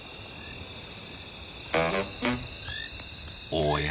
おや？